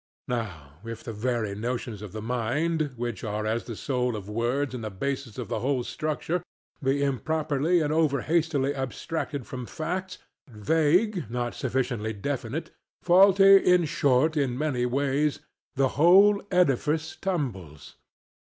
Now if the very notions of the mind (which are as the soul of words and the basis of the whole structure) be improperly and over hastily abstracted from facts, vague not sufficiently definite, faulty in short in many ways, the whole edifice tumbles.